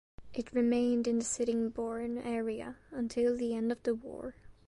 It remained in the Sittingbourne area until the end of the war.